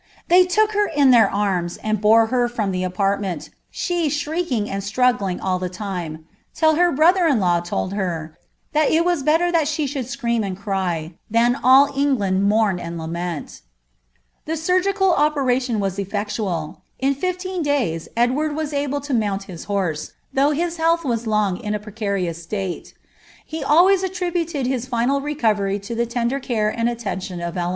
They took her in their I bore her from the apartment, she shrieking and struggling all till her brother in law told her, ^ that it was better she should nd cry, than all England mourn and lament."' iiTical operation was e^ctual ; in fifVeen days Edward was able t his horse, though his health was long in a precarious state. rs attributed his final recovery to the tender care and attention >ra.